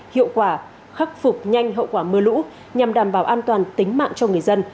hiệu quả khắc phục nhanh hậu quả mưa lũ nhằm đảm bảo an toàn tính mạng cho người dân